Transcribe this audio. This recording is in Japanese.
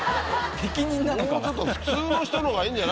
適任なのかな？